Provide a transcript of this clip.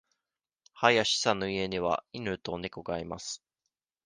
林さんの家には犬と猫がいます。